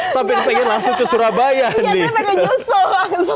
sampai pengen langsung ke surabaya nih